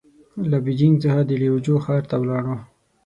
له بېجينګ څخه د ليوجو ښار ته ولاړو.